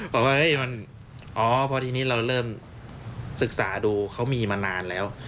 บอกว่าเฮ้ยมันอ๋อพอทีนี้เราเริ่มศึกษาดูเขามีมานานแล้ว